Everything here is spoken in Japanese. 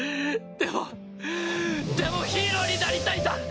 でもでもヒーローになりたいんだ！